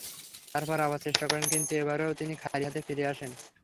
তারপর আবার চেষ্টা করেন কিন্তু এবারও তিনি খালি হাতে ফিরে আসেন।